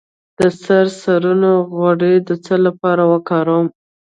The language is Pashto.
د سرسونو غوړي د څه لپاره وکاروم؟